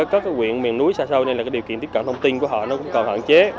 các quyện miền núi xa sâu nên là cái điều kiện tiếp cận thông tin của họ nó cũng còn hạn chế